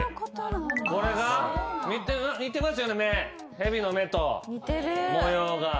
蛇の目と模様が。